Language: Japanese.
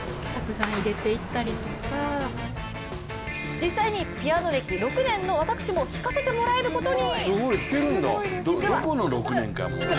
実際にピアノ歴６年の私も弾かせてもらえることに。